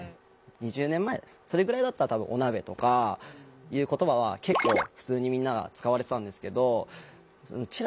２０年前それぐらいだったら多分オナベとかいう言葉は結構普通にみんなが使われてたんですけどうち